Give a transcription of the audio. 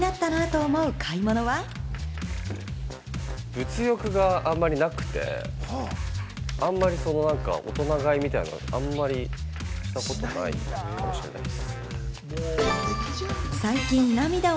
物欲があまりなくて、あんまり大人買いみたいなの、あんまりしたことないかもしれないです。